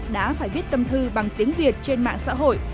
đã phải viết tâm thư bằng tiếng việt trên mạng xã hội